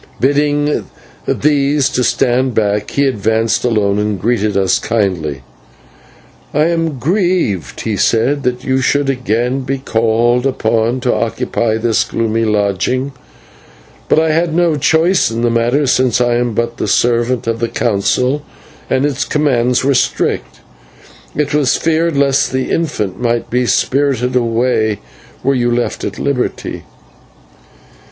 Bidding these to stand back, he advanced alone and greeted us kindly. "I am grieved," he said, "that you should again be called upon to occupy this gloomy lodging; but I had no choice in the matter, since I am but the servant of the Council, and its commands were strict. It was feared lest the infant might be spirited away, were you left at liberty."